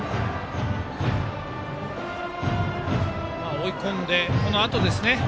追い込んでこのあとですね。